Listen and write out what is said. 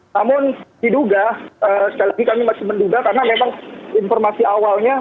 namun diduga sekali lagi kami masih menduga karena memang informasi awalnya